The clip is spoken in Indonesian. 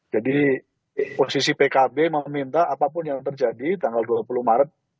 jadi posisi pkb meminta apapun yang terjadi tanggal dua puluh maret